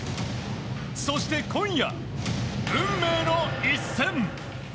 そして今夜、運命の一戦。